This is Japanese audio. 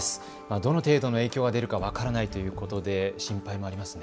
どの程度の影響が出るか分からないということで心配もありますね。